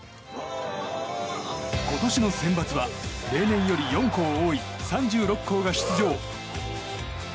今年のセンバツは例年より４校多い３６校が出場。